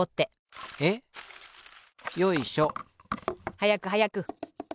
はやくはやく。